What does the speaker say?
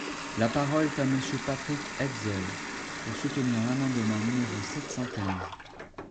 La parole est à Monsieur Patrick Hetzel, pour soutenir l’amendement numéro sept cent quinze.